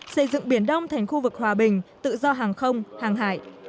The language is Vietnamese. xây dựng biển đông thành khu vực hòa bình tự do hàng không hàng hải